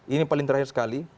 ini paling terakhir sekali